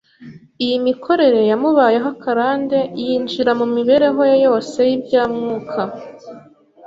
Iyo mikorere yamubayeho akarande yinjira mu mibereho ye yose y’ibya Mwuka.